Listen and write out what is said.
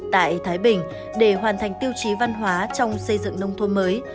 tại thái bình để hoàn thành tiêu chí văn hóa trong xây dựng nông thôn mới